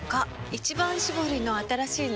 「一番搾り」の新しいの？